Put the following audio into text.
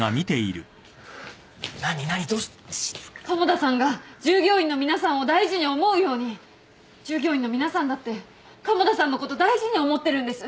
鴨田さんが従業員の皆さんを大事に思うように従業員の皆さんだって鴨田さんのこと大事に思ってるんです！